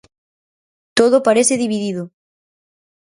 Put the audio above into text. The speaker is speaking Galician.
Todo parece dividido.